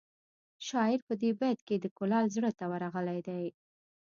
شاعر په دې بیت کې د کلال زړه ته ورغلی دی